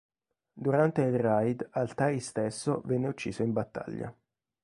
Durante il raid, al-Ta'i stesso venne ucciso in battaglia.